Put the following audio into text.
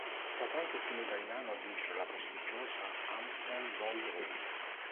È stato anche il primo italiano a vincere la prestigiosa Amstel Gold Race.